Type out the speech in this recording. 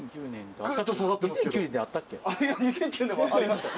２００９年はありましたよ